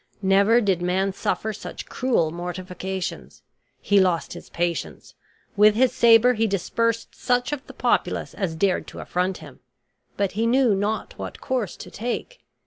Never did man suffer such cruel mortifications. He lost his patience; with his saber he dispersed such of the populace as dared to affront him; but he knew not what course to take.